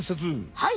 はい。